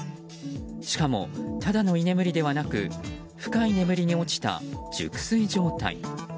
しかも、ただの居眠りではなく深い眠りに落ちた熟睡状態。